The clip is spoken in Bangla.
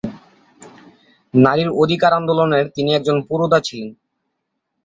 নারীর অধিকার আন্দোলনের তিনি একজন পুরোধা ছিলেন।